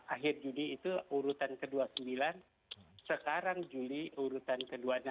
akhir juni itu urutan ke dua puluh sembilan sekarang juli urutan ke dua puluh delapan